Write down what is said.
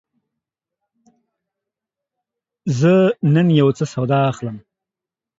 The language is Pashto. زه نن یوڅه سودا اخلم.